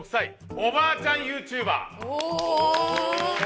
おばあちゃんＹｏｕＴｕｂｅｒ